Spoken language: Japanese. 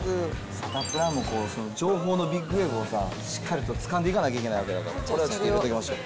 サタプラも情報のビッグウェーブもしっかりとつかんでいかなきゃいけないだから、これ、入れときましょう。